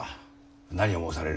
何を申される？